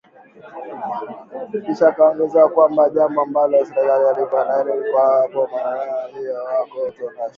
Kisha akaongeza kwamba jambo ambalo serikali hailifahamu ni kuwa hapa Marondera, ujio wake unatosha .